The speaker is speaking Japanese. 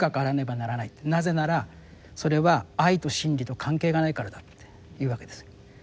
なぜならそれは愛と真理と関係がないからだ」って言うわけです。